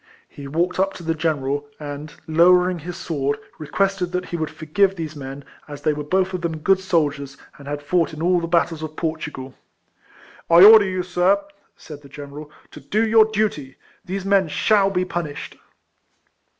He walked up to the general, and lowering his sword, requested that he would forgive these men, as they were both of them good sol diers, and had fought in all the battles of Portugal. " I order you^ sir," said the general, "to do your duty. These men shall be punished."